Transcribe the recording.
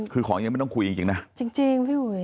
คือของยังไม่ต้องคุยจริงนะจริงพี่อุ๋ย